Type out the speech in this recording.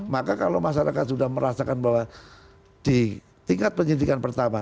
maka kalau masyarakat sudah merasakan bahwa di tingkat penyidikan pertama